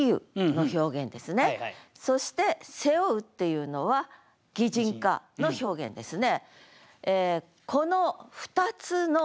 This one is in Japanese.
そして「背負う」っていうのは擬人化の表現ですね。